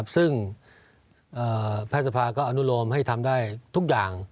ซึ่งแพทย์สภาก็อนุโลมให้ทำได้ทุกอย่าง